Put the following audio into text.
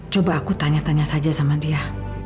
coba aku tanya tanya saja sama dia